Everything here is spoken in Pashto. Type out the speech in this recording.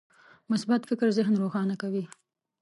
مثبت فکر ذهن روښانه کوي.